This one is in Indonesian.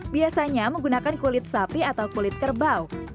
biasanya menggunakan kulit sapi atau kulit kerbau